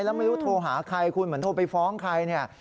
แล้วไม่รู้โทรหาใครคุณเหมือนโทรไปฟ้องใครเนี่ย